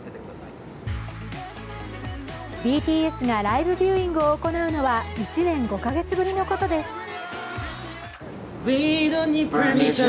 ＢＴＳがライブビューイングを行うのは１年５カ月ぶりのことです。